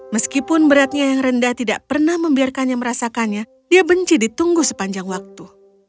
meskipun beratnya yang rendah tidak pernah membiarkannya merasakannya dia benci ditunggu sepanjang waktu